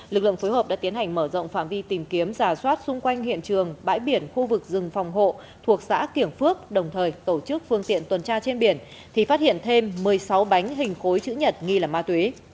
lực lượng phối hợp đã tiến hành mở rộng phạm vi tìm kiếm giả soát xung quanh hiện trường bãi biển khu vực rừng phòng hộ thuộc xã kiểng phước đồng thời tổ chức phương tiện tuần tra trên biển thì phát hiện thêm một mươi sáu bánh hình khối chữ nhật nghi là ma túy